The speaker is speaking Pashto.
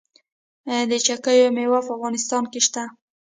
د چیکو میوه په افغانستان کې شته؟